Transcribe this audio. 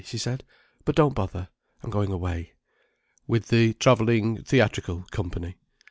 she said. "But don't bother. I'm going away." "With the travelling theatrical company?"